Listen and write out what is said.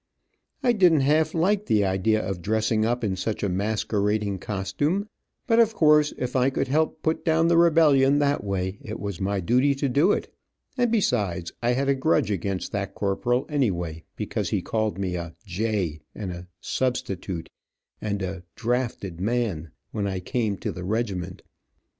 I didn't half like the idea of dressing up in such a masquering costume, but of course if I could help put down the rebellion that way, it was my duty to do it, and besides, I had a grudge against that corporal, anyway, because he called me a "jay" and a "substitute," and a "drafted man," when I came to the regiment.